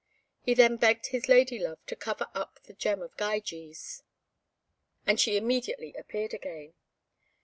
He then begged his lady love to cover up the Gem of Gyges, and she immediately appeared again.